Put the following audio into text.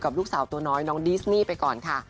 ลูกสาวตัวน้อยน้องดิสนี่ไปก่อนค่ะ